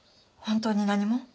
本当に何も？